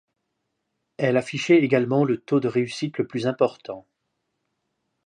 Elle affichait également le taux de réussite le plus important.